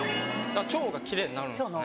腸が奇麗になるんですね。